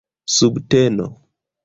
subteno